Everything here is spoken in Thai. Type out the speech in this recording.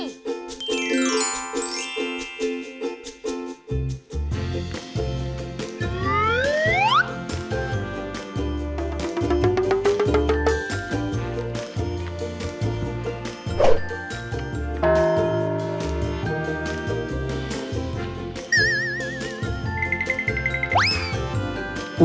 จะต้องกัดให้